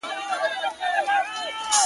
د زړو شرابو ډکي دوې پیالې دي-